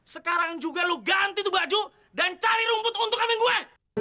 sekarang juga lo ganti tuh baju dan cari rumput untuk kami gue